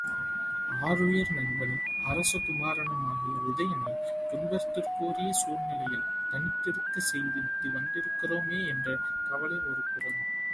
ஆருயிர் நண்பனும் அரசகுமாரனுமாகிய உதயணனைத் துன்பத்திற்குரிய சூழ்நிலையில் தனித்திருக்கச் செய்துவிட்டு வந்திருக்கிறோமே என்ற கவலை ஒருபுறம்.